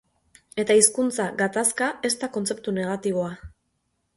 Eta hizkuntza gatazka ez da kontzeptu negatiboa.